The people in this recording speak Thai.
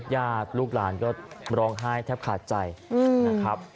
ญาติลูกหลานก็ร้องไห้แทบขาดใจนะครับ